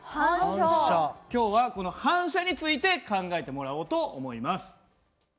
今日はこの「反射」について考えてもらおうと思います。